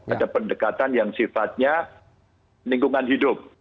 ada pendekatan yang sifatnya lingkungan hidup